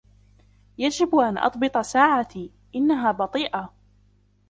يجب أن أضبط ساعتي. إنها بطيئة.